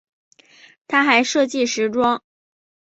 她还设计时装。